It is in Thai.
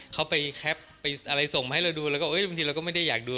เขาไปแคปไปอะไรส่งมาให้เราดูแล้วก็บางทีเราก็ไม่ได้อยากดู